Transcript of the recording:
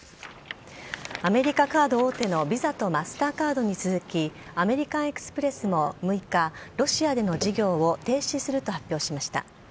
アメリカカード大手のＶＩＳＡとマスターカードに続き、アメリカン・エキスプレスも６日、ロシアでの事業を停止すると発表しました。